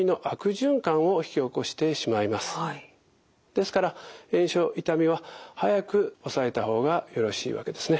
ですから炎症痛みは早く抑えた方がよろしいわけですね。